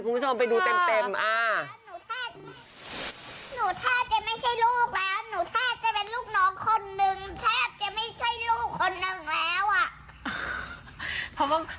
หนูแทบจะเป็นลูกน้องคนหนึ่งแทบจะไม่ใช่ลูกคนหนึ่งแล้วอะ